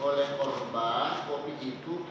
oleh korban kopi itu